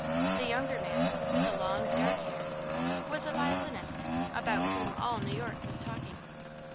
The younger man, with the long, dark hair, was a violinist about whom all New York was talking.